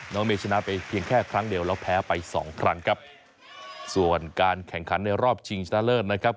เมย์ชนะไปเพียงแค่ครั้งเดียวแล้วแพ้ไปสองครั้งครับส่วนการแข่งขันในรอบชิงชนะเลิศนะครับ